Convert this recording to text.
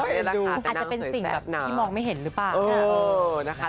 มันเป็นสิ่งที่มองไม่เห็นหรือเปล่า